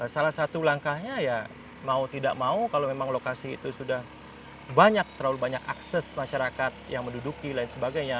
salah satu langkahnya ya mau tidak mau kalau memang lokasi itu sudah banyak terlalu banyak akses masyarakat yang menduduki lain sebagainya